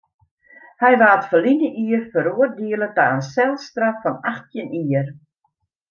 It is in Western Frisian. Hy waard ferline jier feroardiele ta in selstraf fan achttjin jier.